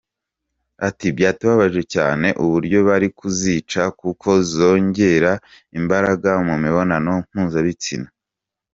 Ati “Byatubabaje cyane uburyo bari kuzica kuko zongera imbaraga mu mibonano mpuzabitsina.